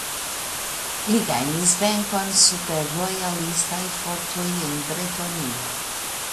Li gajnis venkon super rojalistaj fortoj en Bretonio.